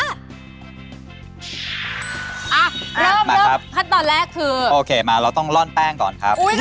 เริ่มมาครับขั้นตอนแรกคือโอเคมาเราต้องล่อนแป้งก่อนครับ